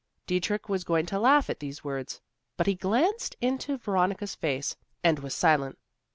Dietrich was going to laugh at these words, but he glanced into Veronica's face and was silent.